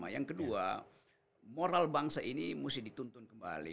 yang kedua moral bangsa ini mesti dituntun kembali